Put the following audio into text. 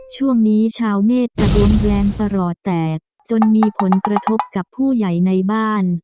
ช่วงนี้ชาวเนธจะรุนแรงตลอดแตกจนมีผลกระทบกับผู้ใหญ่ในบ้าน